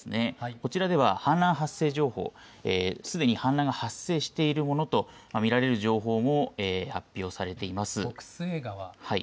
こちらでは氾濫発生情報、すでに氾濫が発生しているものと見られる情報も発表されています。